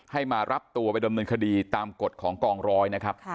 ให้มารับตัวไปดำเนินคดีตามกฎของกองร้อยนะครับ